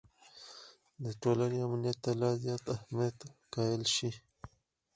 د ټولنې امنیت ته لا زیات اهمیت قایل شي.